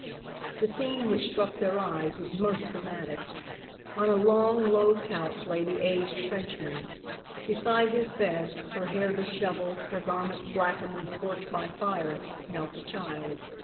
The scene which struck their eyes was most dramatic. On a long, low couch lay the aged Frenchman. Beside his bed, her hair disheveled, her garments blackened and scorched by fire, knelt the child.